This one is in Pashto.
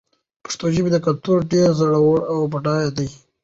د پښتو ژبې کلتور ډېر زوړ او بډای دی.